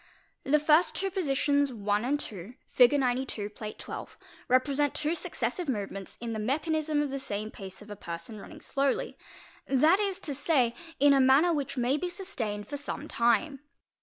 The two first positions Land IL., Fig. 92, (Plate XII) represent two successive movements in the mechanism of the same pace of a person running slowly, that is to say, in manner which may be sustained for some time.